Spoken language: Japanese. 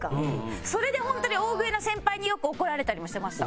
それでホントに大食いの先輩によく怒られたりもしてました。